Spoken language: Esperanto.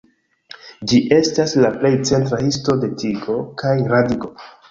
Ĝi estas la plej centra histo de tigo kaj radiko.